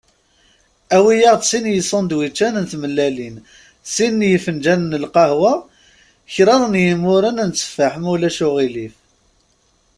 Awi-aɣ-d sin n yisandwicen n tmellalin, sin n yifenǧalen n lqehwa, kraḍ n yimuren n tteffeḥ, ma ulac aɣilif.